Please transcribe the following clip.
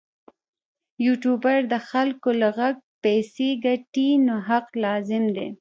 یوټوبر د خلکو له غږ پیسې ګټي نو حق لازم دی.